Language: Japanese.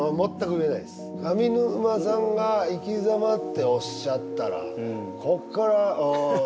上沼さんが生きざまっておっしゃったらこっから３０４０年